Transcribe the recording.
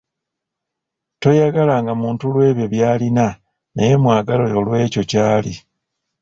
Toyagalanga muntu olw’ebyo by’alina naye mwagale olw'ekyo ky’ali.